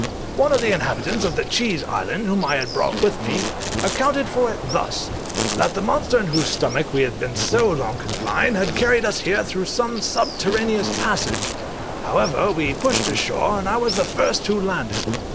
One of the inhabitants of the Cheese Island, whom I had brought with me, accounted for it thus: that the monster in whose stomach we had been so long confined had carried us here through some subterraneous passage; however, we pushed to shore, and I was the first who landed.